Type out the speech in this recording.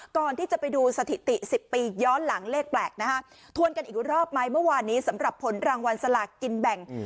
ก่อนที่จะไปดูสถิติ๑๐ปีย้อนหลังเลขแปลกนะฮะทวนกันอีกรอบไหมเมื่อวานนี้สำหรับผลรางวัลสลากกินแบ่ง